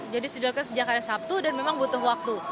jadi sudah dilakukan sejak hari sabtu dan memang butuh waktu